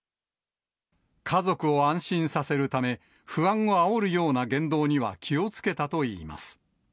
家族を安心させるため、不安をあおるような言動には気をつけたといいます。